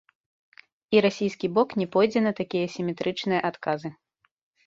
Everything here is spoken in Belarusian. І расійскі бок не пойдзе на такія сіметрычныя адказы.